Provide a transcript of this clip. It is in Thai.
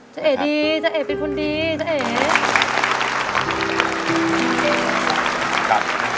เจ้าเอกดีเจ้าเอกเป็นคนดีเจ้าเอก